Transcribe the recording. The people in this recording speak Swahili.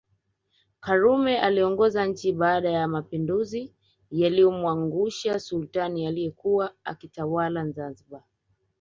Karume aliongoza nchi baada ya mapinduzi yaliyomwangusha Sultani aliyekuwa akitawala Zanzibar